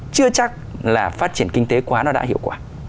chưa chắc là phát triển kinh tế quá nó đã hiệu quả